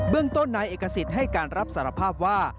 เรื่องต้นนายเอกสิทธิ์ให้การรับสารภาพว่า